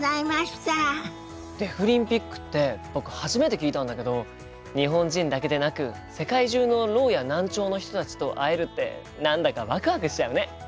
デフリンピックって僕初めて聞いたんだけど日本人だけでなく世界中のろうや難聴の人たちと会えるって何だかワクワクしちゃうね。